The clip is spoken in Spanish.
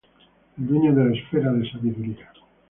El dueño de la esfera de Sabiduría.